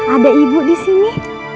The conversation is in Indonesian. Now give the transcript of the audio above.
ada ibu disini